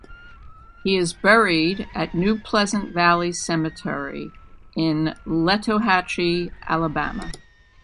He is buried at New Pleasant Valley Cemetery in Letohatchee, Alabama.